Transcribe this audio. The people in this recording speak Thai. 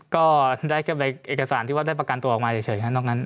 ก็ได้แค่แบบเอกสารที่ว่าได้ประกันตัวออกมาเฉยครับ